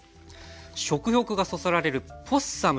食欲がそそられるポッサム